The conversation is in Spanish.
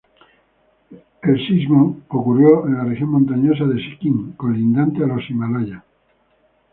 El sismo ocurrió en la región montañosa de Sikkim, colindante a los Himalaya.